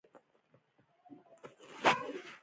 د زیتون تېل ډیر کیفیت لري.